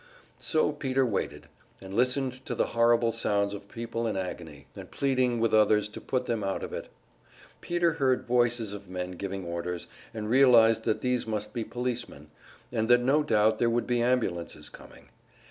So Peter waited, and listened to the horrible sounds of people in agony, and pleading with others to put them out of it. Peter heard voices of men giving orders, and realized that these must be policemen, and that no doubt there would be ambulances coming.